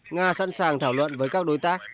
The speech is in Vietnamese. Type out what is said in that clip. nga sẵn sàng thảo luận với các đối tác